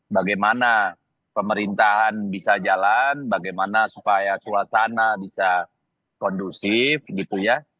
bagaimana pemerintahan bisa jalan bagaimana supaya suasana bisa kondusif gitu ya